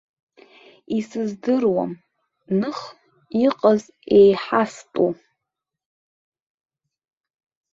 Исыздыруам, ных, иҟаз еиҳастәу.